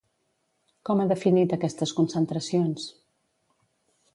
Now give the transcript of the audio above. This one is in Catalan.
Com ha definit aquestes concentracions?